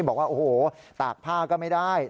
บอกว่าตากผ้าก็ไม่ได้